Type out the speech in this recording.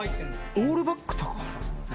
オールバック原？